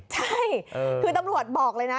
ใช่คือตำรวจบอกเลยนะ